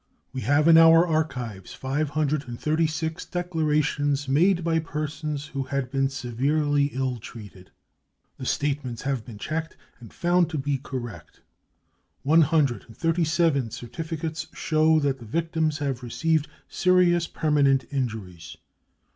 We have in our archives 536 declara^ tions made by persons who had been severely ill treated. BRUTALITY AND TORTURE 205 The statements have been checked and found to be correct. One hundred and thirty seven certificates show that the victims have received serious permanent injuries.